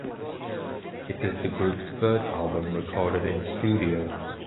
It is the group’s third album recorded in studio.